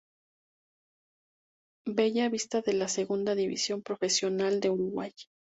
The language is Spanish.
Bella Vista de la Segunda División Profesional de Uruguay.